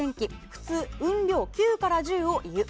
普通、雲量９から１０をいう。